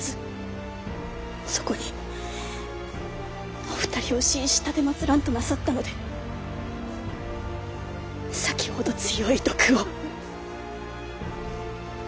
そこにお二人を弑し奉らんとなさったので先ほど強い毒を。